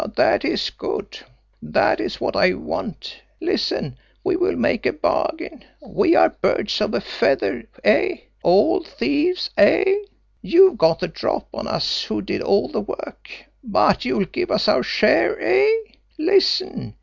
That is good! That is what I want. Listen, we will make a bargain. We are birds of a feather, eh? All thieves, eh? You've got the drop on us who did all the work, but you'll give us our share eh? Listen!